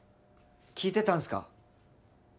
聞いてたんすか？